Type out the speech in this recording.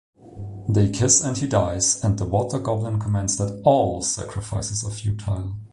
They kiss and he dies; and the Water-Goblin comments that All sacrifices are futile.